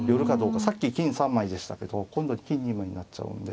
さっき金３枚でしたけど今度金２枚になっちゃうんで。